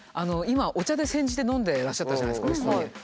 今お茶で煎じて飲んでらっしゃったじゃないですかおいしそうに。